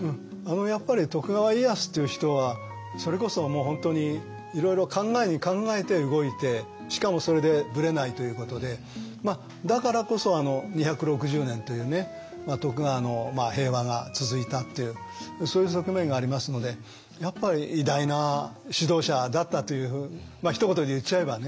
やっぱり徳川家康っていう人はそれこそもう本当にいろいろ考えに考えて動いてしかもそれでブレないということでだからこそ２６０年というね徳川の平和が続いたっていうそういう側面がありますのでやっぱり偉大な指導者だったというひと言で言っちゃえばね